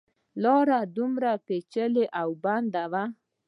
لاره دومره پېچلې او بنده وه.